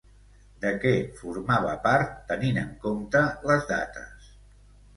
De què formava part, tenint en compte les dates?